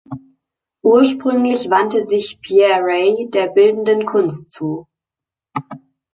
Ursprünglich wandte sich Pierre Rey der Bildenden Kunst zu.